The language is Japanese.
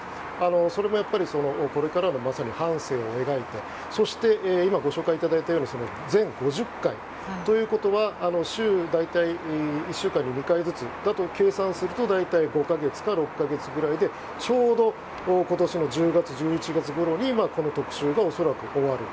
それがやっぱりこれからのまさに半生を描いてそして今ご紹介いただいたように全５０回ということは１週間に２回ずつと計算すると大体５か月か６か月ぐらいでちょうど今年の１０月１１月ごろにこの特集が恐らく終わる。